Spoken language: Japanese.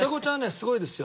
すごいですよ。